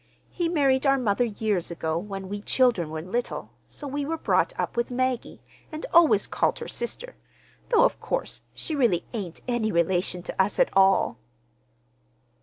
He married our mother years ago, when we children were little, so we were brought up with Maggie, and always called her sister; though, of course, she really ain't any relation to us at all."